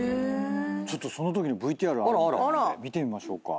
ちょっとそのときのＶＴＲあるんで見てみましょうか。